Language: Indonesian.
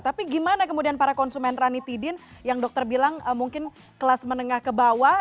tapi gimana kemudian para konsumen ranitidin yang dokter bilang mungkin kelas menengah ke bawah